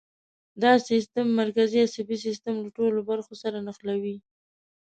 دا سیستم مرکزي عصبي سیستم له ټولو برخو سره نښلوي.